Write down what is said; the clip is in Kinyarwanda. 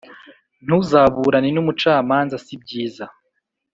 Ntuzaburane n’umucamanza sibyiza